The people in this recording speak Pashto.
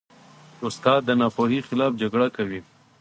استاد د ناپوهۍ خلاف جګړه کوي.